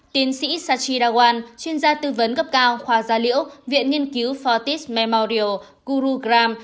tiến sĩ sachi dawan chuyên gia tư vấn gấp cao khoa gia liễu viện nghiên cứu fortis memorial gurugram